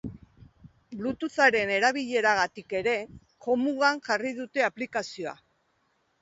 Bluetootharen erabileragatik ere jomugan jarri dute aplikazioa.